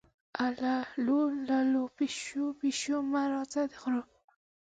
اللو للو، پیشو-پیشو مه راځه د غرو